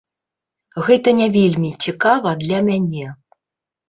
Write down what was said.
Гэта не вельмі цікава для мяне.